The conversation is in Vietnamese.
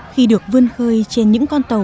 khi được vươn khơi trên những con tàu